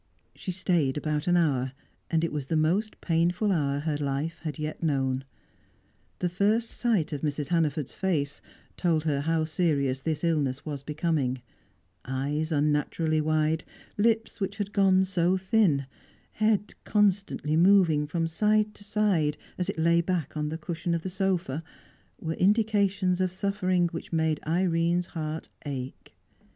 She stayed about an hour, and it was the most painful hour her life had yet known. The first sight of Mrs. Hannaford's face told her how serious this illness was becoming; eyes unnaturally wide, lips which had gone so thin, head constantly moving from side to side as it lay back on the cushion of the sofa, were indications of suffering which made Irene's heart ache.